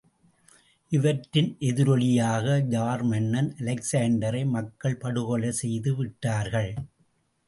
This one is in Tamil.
இவற்றின் எதிரொலியாக ஜார் மன்னன் அலெக்சாண்டரை மக்கள் படுகொலை செய்து விட்டார்கள்.